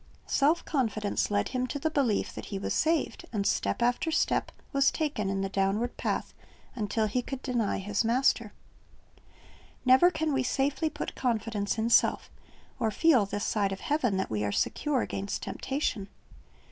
Self confidence led hiiii to the belief that he was saved, and step after step was taken in the downward path, until he could deny his Master. Never can we safely put confidence in self, or feel, this side of heaven, that we are secure against temptation.